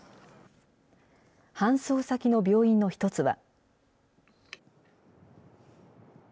搬送先の病院の一つは。